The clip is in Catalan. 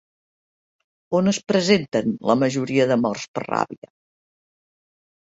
On es presenten la majoria de morts per ràbia?